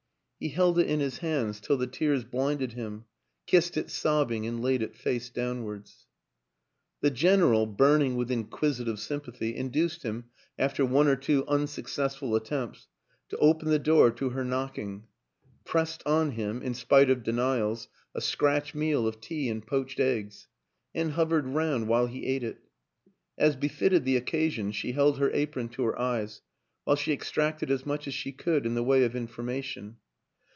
He held it in his hands till the tears blinded him, kissed it sobbing and laid it face downwards. The " general," burning with inquisitive sym pathy, induced him, after one or two unsuccessful attempts, to open the door to her knocking; pressed on him, in spite of denials, a scratch meal of tea and poached eggs, and hovered round while he ate it. As befitted the occasion she held her apron to her eyes while she extracted as much as she could in the way of information.